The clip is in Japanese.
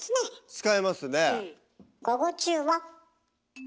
使いますね。